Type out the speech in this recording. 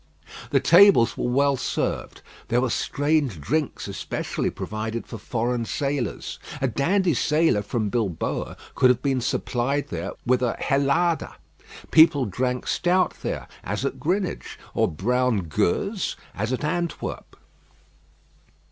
The tables were well served. There were strange drinks especially provided for foreign sailors. A dandy sailor from Bilboa could have been supplied there with a helada. People drank stout there, as at Greenwich; or brown gueuse, as at Antwerp.